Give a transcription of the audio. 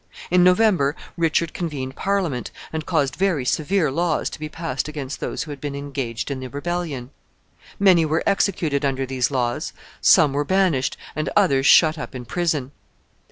In November Richard convened Parliament, and caused very severe laws to be passed against those who had been engaged in the rebellion. Many were executed under these laws, some were banished, and others shut up in prison.